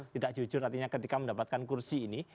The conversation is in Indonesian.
tidak jujur artinya ketika mendapatkan kursi ini